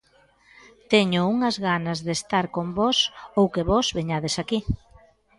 Teño unhas ganas de estar con vós ou que vós veñades aquí.